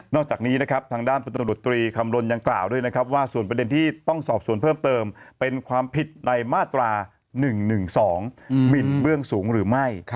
จากนี้นะครับทางด้านพลตรวจตรีคำลนยังกล่าวด้วยนะครับว่าส่วนประเด็นที่ต้องสอบส่วนเพิ่มเติมเป็นความผิดในมาตรา๑๑๒หมินเบื้องสูงหรือไม่